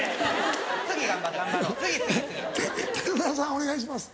お願いします。